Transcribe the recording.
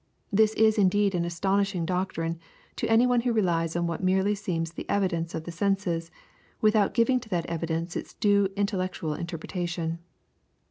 This is indeed an astonishing doctrine to anyone who relies on what merely seems the evidence of the senses, without giving to that evidence its due intellectual interpretation.